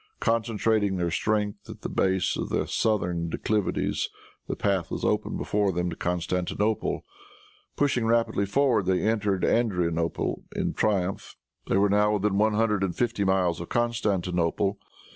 Concentrating their strength at the base of the southern declivities, the path was open before them to Constantinople. Pushing rapidly forward, they entered Adrianople in triumph. They were now within one hundred and fifty miles of Constantinople.